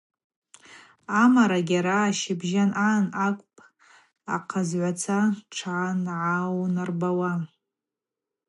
Амарагьи араъа щыбжьан агӏан акӏвпӏ ахъазгӏваца тшангӏаунарбауа.